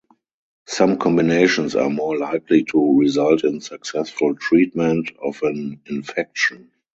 Some combinations are more likely to result in successful treatment of an infection.